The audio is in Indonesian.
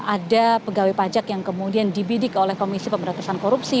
ada pegawai pajak yang kemudian dibidik oleh komisi pemberantasan korupsi